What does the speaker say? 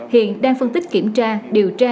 hiện đang phân tích kiểm tra điều tra